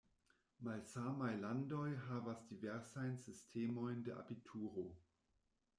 Malsamaj landoj havas diversajn sistemojn de abituro.